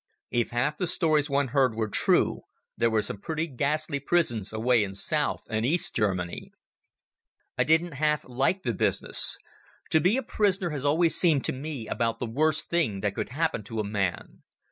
If half the stories one heard were true there were some pretty ghastly prisons away in South and East Germany. I didn't half like the business. To be a prisoner has always seemed to me about the worst thing that could happen to a man.